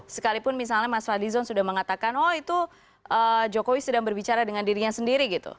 sekalipun misalnya mas fadlizon sudah mengatakan oh itu jokowi sedang berbicara dengan dirinya sendiri gitu